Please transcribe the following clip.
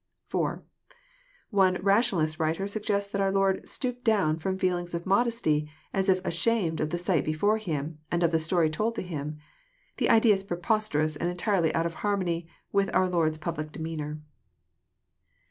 *' (4) One rationalist writer suggests that our Lord " stooped down " ft om feelings of modesty, as if ashamed of the sight before Him, and of the stoiy told to Him. The idea is prepos terous, and entirely out of harmony with our Lord's public demeanour.